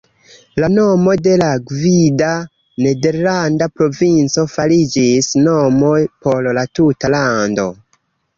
La nomo de la gvida nederlanda provinco fariĝis nomo por la tuta lando.